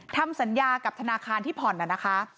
ทำสัญญากับธนาคารที่ผ่อนน่ะนะคะ